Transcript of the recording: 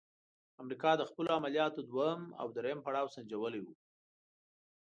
امریکا د خپلو عملیاتو دوهم او دریم پړاو سنجولی وو.